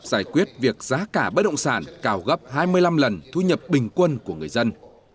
giải quyết việc giá cả bất động sản cao gấp hai mươi năm lần thu nhập bình quân của người dân